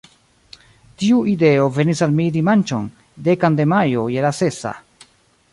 Tiu ideo venis al mi dimanĉon, dekan de majo, je la sesa.